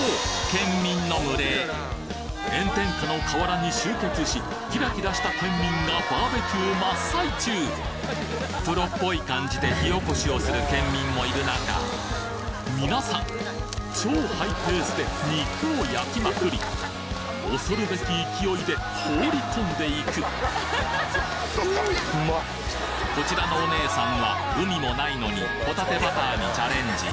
県民の群れ炎天下の河原に集結しキラキラした県民がバーベキュー真っ最中プロっぽい感じで火おこしをする県民もいる中皆さん超ハイペースで肉を焼きまくりおそるべき勢いで放り込んでいくこちらのおねえさんは海もないのにホタテバターにチャレンジ